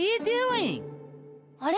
あれ？